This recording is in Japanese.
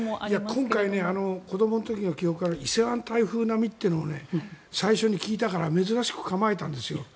今回、子どもの時の記憶の伊勢湾台風並みというのが最初に聞いたから珍しく構えたんですよ。